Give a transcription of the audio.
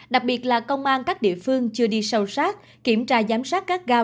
đặc biệt là công an các địa phương chưa đi sâu sát kiểm tra giám sát các gao